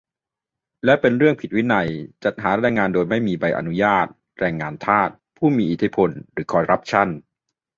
แล้วเป็นเรื่องผิดวินัย จัดหาแรงงานโดยไม่มีใบอนุญาต แรงงานทาส ผู้มีอิทธิพล หรือคอรัปชั่น ?